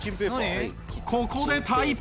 ここでタイパ！